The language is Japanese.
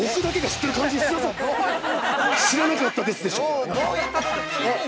「知らなかったです」でしょ！